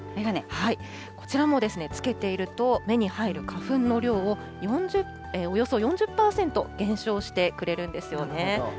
こちらもつけていると、目に入る花粉の量を、およそ４０％減少してくれるんですよね。